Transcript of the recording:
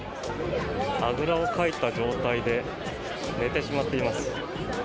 あぐらをかいた状態で寝てしまっています。